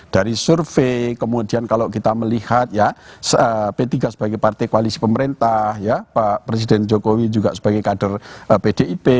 dari survei kemudian kalau kita melihat ya p tiga sebagai partai koalisi pemerintah ya pak presiden jokowi juga sebagai kader pdip